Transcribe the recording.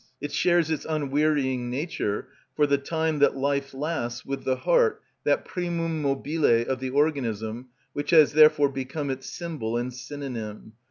It shares its unwearying nature, for the time that life lasts, with the heart, that primum mobile of the organism, which has therefore become its symbol and synonym.